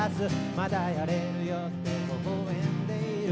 「「まだやれるよ」って微笑んでいる」